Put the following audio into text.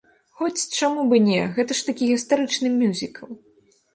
Хоць, чаму б і не, гэта ж такі гістарычны мюзікл.